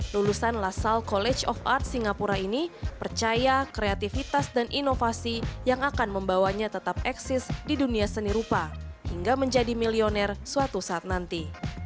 lulusan lasal college of art singapura ini percaya kreativitas dan inovasi yang akan membawanya tetap eksis di dunia seni rupa hingga menjadi milioner suatu saat nanti